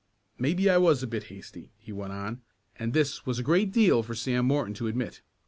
Maybe I was a bit hasty," he went on, and this was a great deal for Sam Morton to admit.